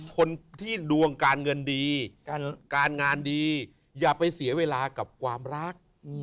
คนที่ดวงการเงินดีการงานดีอย่าไปเสียเวลากับความรัก